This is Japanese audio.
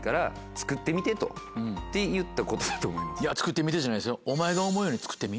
「作ってみて」じゃないですよ。